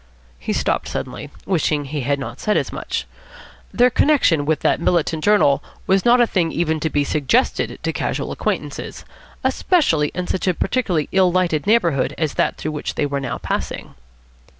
He stopped suddenly, wishing he had not said as much. Their connection with that militant journal was not a thing even to be suggested to casual acquaintances, especially in such a particularly ill lighted neighbourhood as that through which they were now passing.